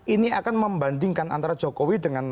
ini akan membandingkan antara jokowi dengan